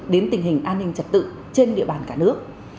đến tình hình an ninh trật tự trên địa bàn cả nước